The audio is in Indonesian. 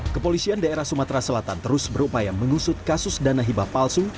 kepolisian daerah sumatera selatan terus berupaya mengusut kasus dana hibah palsu